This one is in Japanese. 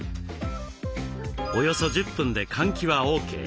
およそ１０分で換気はＯＫ。